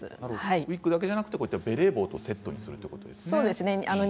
ウイッグだけではなくてベレー帽とセットにするということですね。